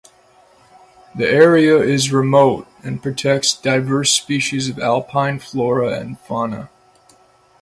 The area is remote and protects diverse species of alpine flora and fauna.